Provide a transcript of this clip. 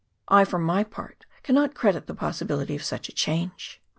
I, for my part, cannot credit the possibility of such a change.